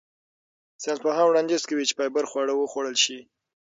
ساینسپوهان وړاندیز کوي چې فایبر خواړه وخوړل شي.